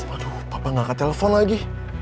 aduh papa gak kelepon lagi